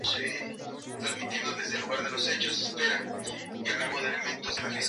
Luego ha participado en el Goodwood Revival y carreras de rally menores.